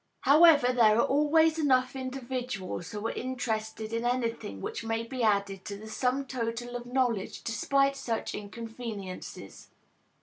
However, there are always enough individuals who are interested in anything which may be added to the sum total of knowledge, despite such inconveniences.